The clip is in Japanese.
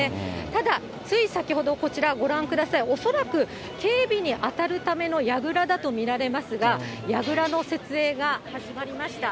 ただ、つい先ほど、こちらご覧ください、恐らく、警備に当たるためのやぐらだと見られますが、やぐらの設営が始まりました。